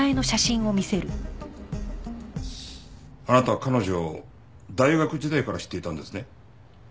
あなたは彼女を大学時代から知っていたんですね？